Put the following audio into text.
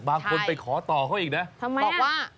บางคนไปขอต่อเขาอีกนะ